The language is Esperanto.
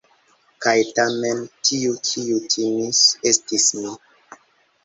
Kaj tamen, tiu, kiu timis, estis mi.